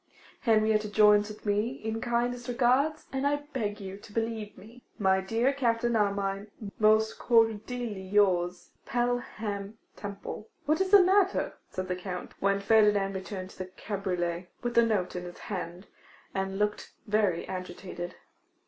'Henrietta joins with me in kindest regards; and I beg you to believe me, 'My dear Captain Armine, 'Most cordially yours, 'Pelham Temple.' 'Well, what is the matter?' said the Count, when Ferdinand returned to the cabriolet, with the note in his hand, and looking very agitated.